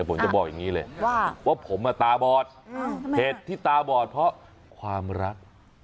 ผมจะบอกอย่างนี้เลยว่าผมตาบอดเหตุที่ตาบอดเพราะความรัก